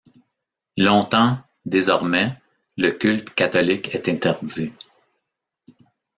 Longtemps, désormais, le culte catholique est interdit.